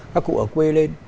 các cụ ở quê lên